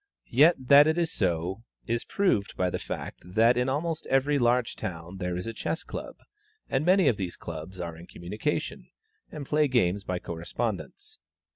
Yet that it is so is proved by the fact that in almost every large town there is a Chess Club, and many of these clubs are in communication, and play games by correspondence.